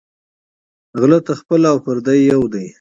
غله ته خپل او پردي یو دى